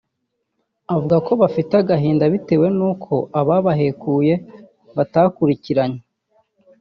avuga ko bafite agahinda batewe n’uko ababahekuye batakurikiranywe